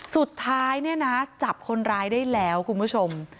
สุดท้ายจับคนร้ายได้แล้วคุณผู้ชม